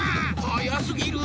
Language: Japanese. はやすぎる！